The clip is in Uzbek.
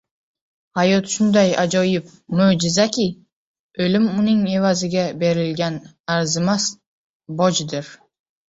Hayot shunday ajoyib mo»jizaki, o’lim uning evaziga berilgan arzimas bojdir.